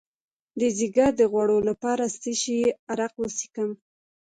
د ځیګر د غوړ لپاره د څه شي عرق وڅښم؟